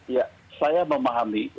ya saya memahami